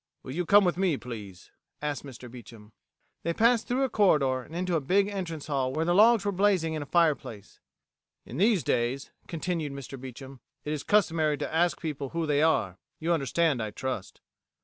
"Will you come with me, please?" asked Mr. Beecham. They passed through a corridor, and into the big entrance hall, where logs were blazing In a fireplace. "In these days," continued Mr. Beecham, "it is customary to ask people who they are. You understand, I trust."